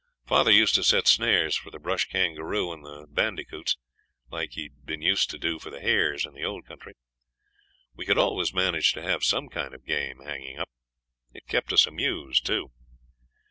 Father used to set snares for the brush kangaroo and the bandicoots, like he'd been used to do for the hares in the old country. We could always manage to have some kind of game hanging up. It kept us amused too.